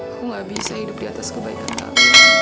aku nggak bisa hidup di atas kebaikan om